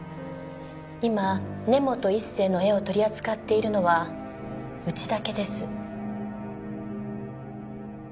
今根本一成の絵を取り扱っているのはうちだけです。